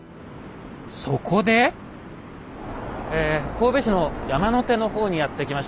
神戸市の山の手の方にやって来ました。